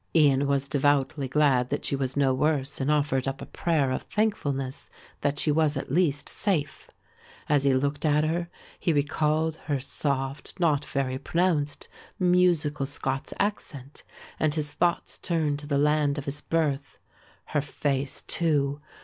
Ian was devoutly glad that she was no worse and offered up a prayer of thankfulness that she was at least safe. As he looked at her he recalled her soft, not very pronounced, musical Scots accent, and his thoughts turned to the land of his birth. Her face too!